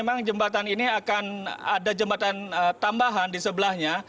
memang jembatan ini akan ada jembatan tambahan di sebelahnya